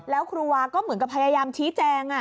แล้วครูวาก็เหมือนกับพยายามชี้แจง